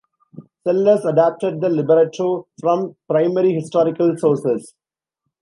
Sellars adapted the libretto from primary historical sources.